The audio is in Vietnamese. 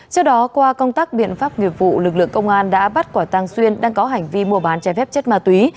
trước đó qua công tác biện pháp nghiệp vụ lực lượng công an đã bắt quả tang xuyên đang có hành vi mua bán trái phép chất ma túy